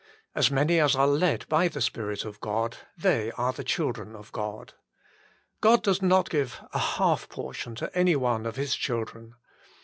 As many as are led by the Spirit of God, they are the children of God. 1 God does not give a half portion to any one of His children.